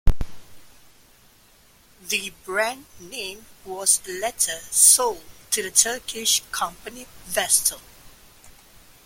The brand name was later sold to the Turkish company Vestel.